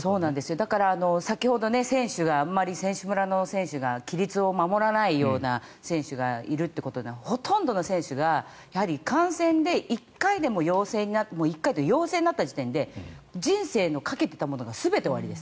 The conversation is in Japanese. だから先ほど選手があまり選手村の選手が規律を守らないような選手がいるということでほとんどの選手がやはり感染で１回でも陽性になったら１回というか陽性になった時点で人生のかけていたものが全て終わりです。